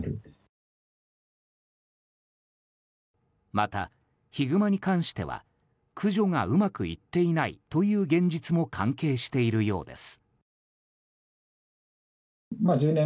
また、ヒグマに関しては駆除がうまくいっていないという現実も関係しているようです。